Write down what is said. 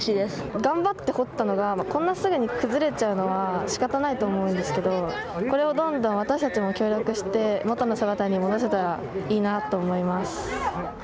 頑張って掘ったのがこんなにすぐに崩れちゃうのは仕方ないと思うんですけどこれをどんどん私たちも協力して元の姿に戻せたらいいなと思います。